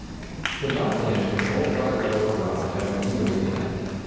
] The biplane is controlled by a lever rod having a wheel at the end.